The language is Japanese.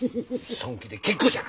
損気で結構じゃ！